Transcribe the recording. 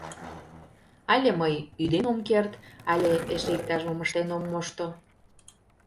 Але мый ӱден ом керт, але эше иктаж-мом ыштен ом мошто?